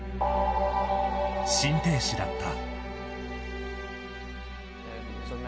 心停止だった。